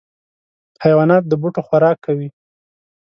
حیوانات د بوټو خوراک کوي.